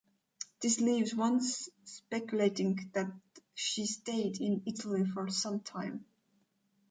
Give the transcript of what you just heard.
This leaves one speculating that she stayed in Italy for some time.